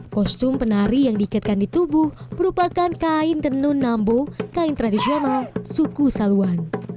kostum penari yang diikatkan di tubuh merupakan kain tenun nambo kain tradisional suku saluan